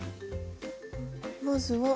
まずは。